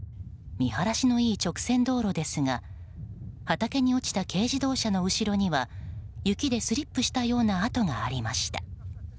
見晴らしのいい直線道路ですが畑に落ちた軽自動車の後ろには雪でスリップしたような跡がありました。